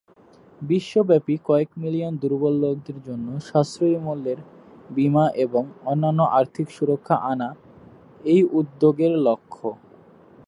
বিশ্বব্যাপী কয়েক মিলিয়ন দুর্বল লোকদের জন্য সাশ্রয়ী মূল্যের বীমা এবং অন্যান্য আর্থিক সুরক্ষা আনা এই উদ্যোগের লক্ষ্য।